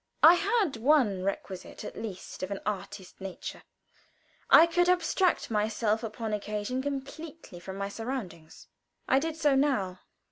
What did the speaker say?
I had one requisite at least of an artist nature I could abstract myself upon occasion completely from my surroundings. I did so now.